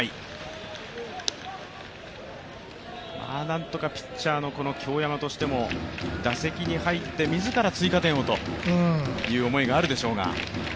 なんとかピッチャーの京山としても打席に入って自ら追加点をという思いがあるでしょうが。